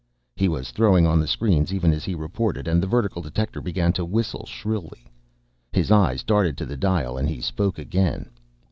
He was throwing on the screens even as he reported. And the vertical detector began to whistle shrilly. His eyes darted to the dial, and he spoke again.